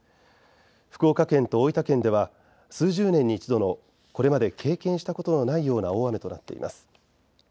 福岡県と大分県では数十年に一度これまで経験したことのないような大雨となっています。